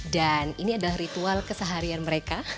dan ini adalah ritual keseharian mereka